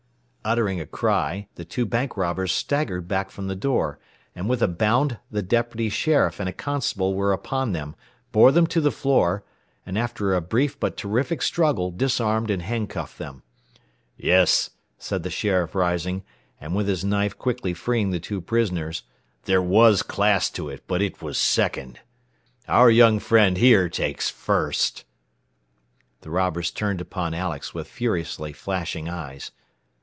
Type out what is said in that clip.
_" Uttering a cry the two bank robbers staggered back from the door, and with a bound the deputy sheriff and a constable were upon them, bore them to the floor, and after a brief but terrific struggle disarmed and handcuffed them. "Yes," said the sheriff, rising, and with his knife quickly freeing the two prisoners, "there was class to it, but it was second. "Our young friend here takes 'first.'" [Illustration: "HOW DID YOU DO IT, SMARTY?" SNAPPED THE SHORTER MAN.] The robbers turned upon Alex with furiously flashing eyes.